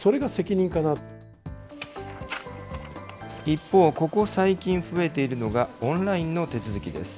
一方、ここ最近増えているのが、オンラインの手続きです。